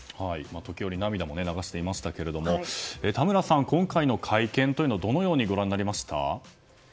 時折涙も流していましたけれども田村さん、今回の会見をどのようにご覧になりました？